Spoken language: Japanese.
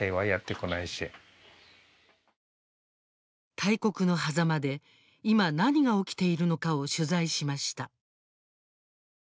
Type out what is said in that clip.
大国のはざまで今、何が起きているのかを取材しました。